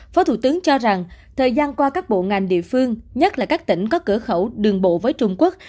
phó thủ tướng cho rằng thời gian qua các bộ ngành địa phương nhất là các tỉnh có cửa khẩu đường bộ với trung quốc